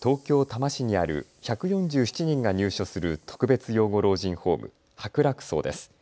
多摩市にある１４７人が入所する特別養護老人ホーム、白楽荘です。